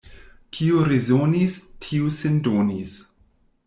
Kiu resonis, tiu sin donis.